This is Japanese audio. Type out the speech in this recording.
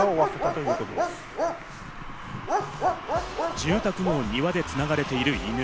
住宅の庭でつながれている犬。